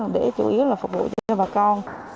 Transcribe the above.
để chủ yếu là phục vụ cho bà con